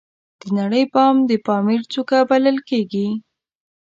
د نړۍ بام د پامیر څوکه بلل کیږي